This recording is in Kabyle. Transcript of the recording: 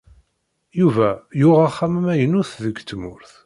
Yuba yuɣ axxam amaynut deg tmurt